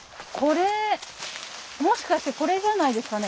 もしかしてこれじゃないですかね？